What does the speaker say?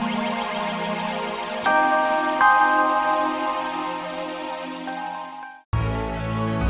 sianya ternyata bisa di dalam diri lo